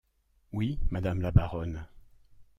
Oui, madame la baronne.